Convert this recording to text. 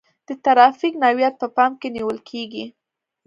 د ترافیک نوعیت په پام کې نیول کیږي